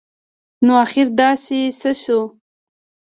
نو اخیر داسي څه شوي